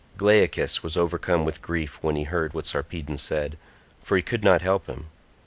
Glaucus was overcome with grief when he heard what Sarpedon said, for he could not help him.